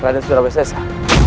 raden surabaya sesa